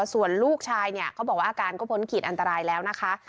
ส่วนลูกชายเนี่ยเขาบอกว่าอาการก็พ้นขีดอันตรายแล้วนะคะ